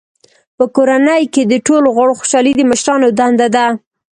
په کورنۍ کې د ټولو غړو خوشحالي د مشرانو دنده ده.